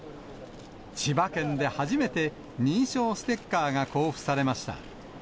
千葉県で初めて認証ステッカーが交付されました。